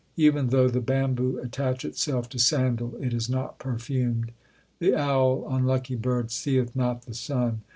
Even though the bamboo attach itself to sandal, it is not perfumed. The owl, unlucky bird, seeth not the sun.